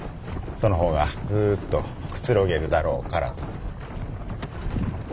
その方がずっとくつろげるだろうからと。